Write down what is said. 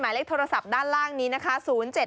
หมายเลขโทรศัพท์ด้านล่างนี้นะคะ๐๗๕๕๘๒๓๑๒๓